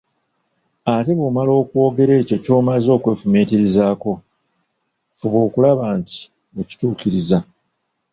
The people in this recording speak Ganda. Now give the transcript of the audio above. Ate bwomala okwogera ekyo ky'omaze okwefumiitirizaako, fuba okulaba nti okituukiriza.